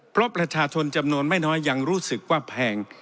เพราะประชาชนจำนวนไม่น้อยยังรู้สึกว่าแพง